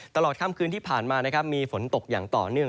ตลอดค่ำคืนที่ผ่านมานะครับมีฝนตกอย่างต่อเนื่อง